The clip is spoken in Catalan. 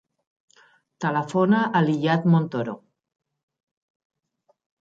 Telefona a l'Iyad Montoro.